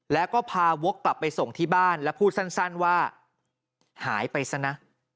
แล้วก็พาวกกลับไปส่งที่บ้านและพูดสั้นว่าหายไปซะนะ